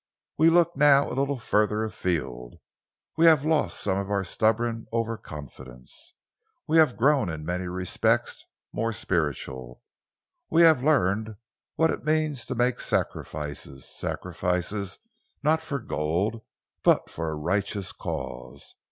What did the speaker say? We look now a little further afield. We have lost some of our stubborn over confidence. We have grown in many respects more spiritual. We have learnt what it means to make sacrifices, sacrifices not for gold but for a righteous cause.